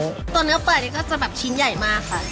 ตัวเนื้อปลานี่ก็จะแบบชิ้นใหญ่มากค่ะ